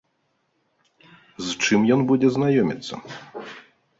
З чым ён будзе знаёміцца?